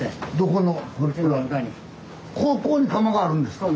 ここに窯があるんですか？